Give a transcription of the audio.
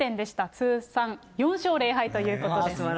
通算４勝０敗ということです。